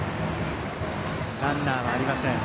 ランナーありません。